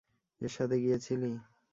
এর সাথে গিয়েছিলি?